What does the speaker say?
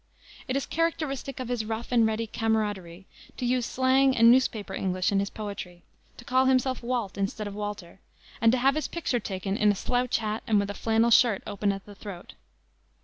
It is characteristic of his rough and ready camaraderie to use slang and newspaper English in his poetry, to call himself Walt instead of Walter, and to have his picture taken in a slouch hat and with a flannel shirt open at the throat.